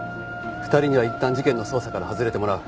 ２人にはいったん事件の捜査から外れてもらう。